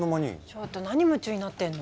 ちょっと何夢中になってんの？